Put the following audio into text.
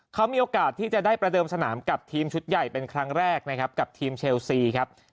เขามีโอกาสที่จะได้ประเดิมสนามกับทีมชุดใหญ่เป็นครั้งแรกนะครับกับทีมเชลซีครับ